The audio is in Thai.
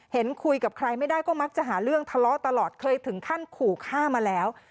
เห็นคุยกับใครไม่ได้ก็มักจะหาเรื่องทะเลาะตลอดเคยถึงขั้นขู่ฆ่ามาแล้ว